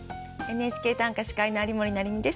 「ＮＨＫ短歌」司会の有森也実です。